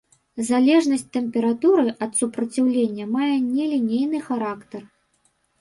Залежнасць тэмпературы ад супраціўлення мае нелінейны характар.